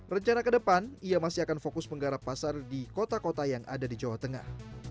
rencana ke depan ia masih akan fokus menggarap pasar di kota kota yang ada di jawa tengah